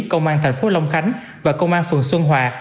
công an tp long khánh và công an phường xuân hòa